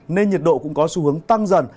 nên nhiệt độ cũng có xu hướng tăng dần